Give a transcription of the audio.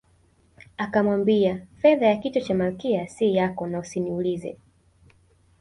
Akamwambia fedha ya kichwa cha Malkia si yako na usiniulize